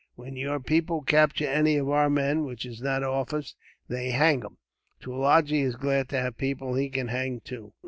When your people capture any of our men, which is not often, they hang them. Tulagi is glad to have people he can hang, too."